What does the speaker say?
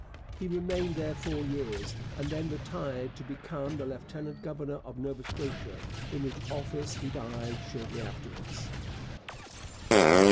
He remained there four years, and then retired to become the lieutenant governor of Nova Scotia, in which office he died shortly afterwards.